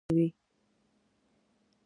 زړه د غم پر وړاندې کلک ولاړ وي.